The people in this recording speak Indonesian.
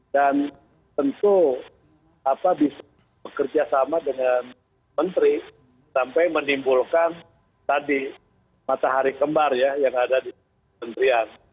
dan tentu apa bisa bekerja sama dengan menteri sampai menimbulkan tadi matahari kembar ya yang ada di menterian